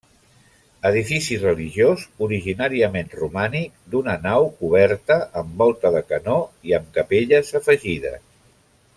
Edifici religiós, originàriament romànic, d'una nau coberta amb volta de canó i amb capelles afegides.